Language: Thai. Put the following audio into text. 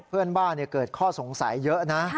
เพื่อนบ้านเกิดข้อสงสัยเยอะนะ